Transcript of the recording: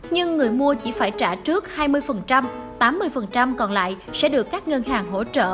nhưng người mua chỉ phải trả trước hai mươi tám mươi còn lại sẽ được các ngân hàng hỗ trợ